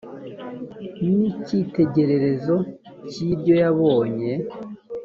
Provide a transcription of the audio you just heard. n icyitegererezo cy iryo yabonye